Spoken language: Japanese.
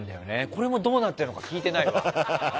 これもどうなってるのか聞いてないわ。